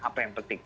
apa yang penting